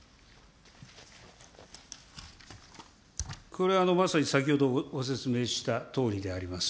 これはまさに先ほどご説明したとおりであります。